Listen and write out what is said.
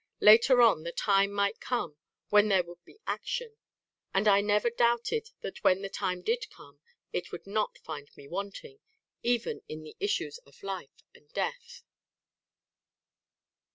Later on, the time might come when there would be action; and I never doubted that when that time did come it would not find me wanting even in the issues of life and death.